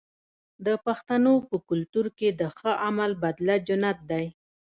د پښتنو په کلتور کې د ښه عمل بدله جنت دی.